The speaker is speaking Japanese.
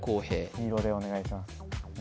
黄色でお願いします